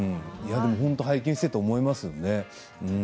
拝見していて思いますよね。